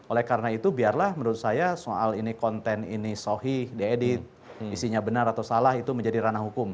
oleh karena itu biarlah menurut saya soal ini konten ini sohih diedit isinya benar atau salah itu menjadi ranah hukum